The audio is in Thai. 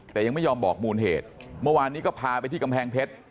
แต่ยังไม่ยอมบอกมูลเหตุเมื่อวานนี้ก็พาไปที่กำแพงเพชร